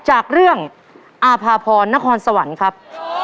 จากเรื่องอาภาพรนครสวรรค์ครับ